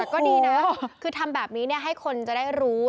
ก็ดีนะคือทำแบบนี้ให้คนจะได้รู้